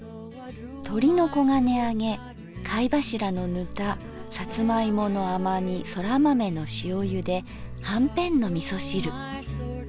とりの黄金あげ貝柱のぬたさつま芋の甘煮空豆の塩ゆではんぺんの味噌汁。